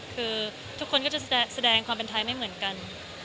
คือทุกคนก็จะแสดงความเป็นไทยไม่เหมือนกัน